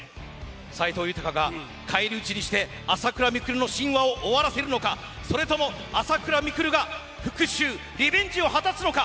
斎藤裕が返り討ちにして朝倉未来の神話を終わらせるのかそれとも、朝倉未来が復讐リベンジを果たすのか。